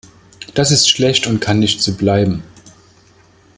Das ist schlecht und kann nicht so bleiben.